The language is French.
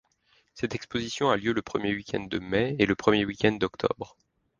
Cette exposition a lieu le premier week-end de mai et le premier week-end d'octobre.